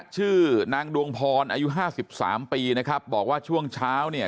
ชื่อนางดวงพรอายุห้าสิบสามปีนะครับบอกว่าช่วงเช้าเนี่ย